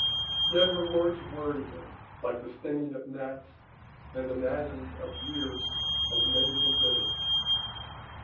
Yet her words worry him like the stinging of gnats, and the nagging of years has made him bitter.